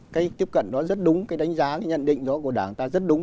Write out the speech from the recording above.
cái tiếp cận đó rất đúng cái đánh giá cái nhận định đó của đảng ta rất đúng